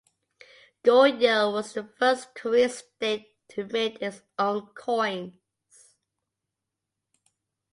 Goryeo was the first Korean state to mint its own coins.